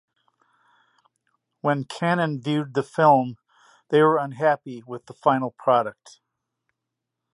When Cannon viewed the film they were unhappy with the final product.